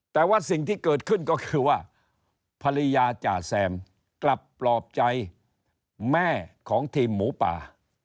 แต่ว่าสิ่งที่เกิดขึ้นก็คือว่าภรรยาจ่าแซมกลับปลอบใจแม่ของทีมหมูป่า